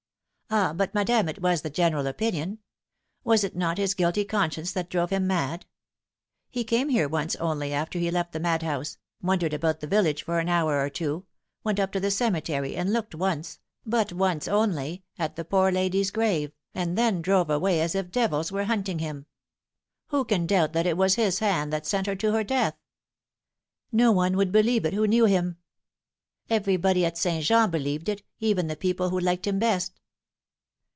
" Ah, but, madame, it was the general opinion. Was it not his guilty conscience that drove him mad ? He came here once only after he left the madhouse, wandered about the village for an hour or two, went up to the cemetery and looked once but once only at the poor lady's grave, and then drove away as if devils were hunting him. Who can doubt that it was his hand that sent her to her death ?"" No one would believe it who knew him." " Everybody at St. Jean believed it, even the people who liked him best."